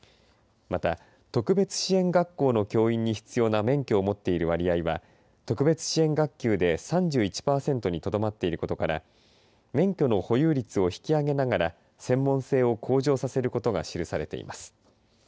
また、特別支援学校の教員に必要な免許を持っている割合は特別支援学級で３１パーセントにとどまっていることから免許の保有率を引き上げながら専門性を向上させることが記されています。